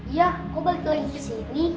iya kok balik lagi kesini